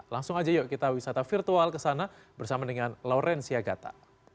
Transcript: langsung aja yuk kita wisata virtual ke sana bersama dengan laurencia gata